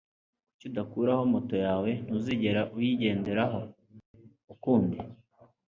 Kuki udakuraho moto yawe? Ntuzigera uyigenderaho ukundi.